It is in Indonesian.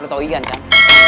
lu tau iyan kan